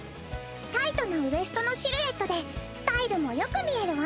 タイトなウエストのシルエットでスタイルもよく見えるわ！